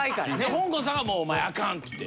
ほんこんさんはもうお前アカンって言って。